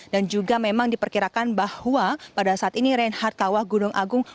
dan juga memang diperkirakan bahwa pada saat ini reinhardt kawah gunung agung